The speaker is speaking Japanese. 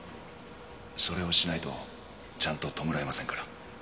それをしないとちゃんと弔えませんから。